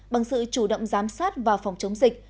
bằng sự chủ động giám sát và phòng chống dịch